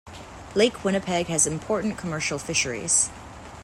Lake Winnipeg has important commercial fisheries.